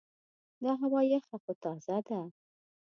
دا هوا یخه خو تازه ده.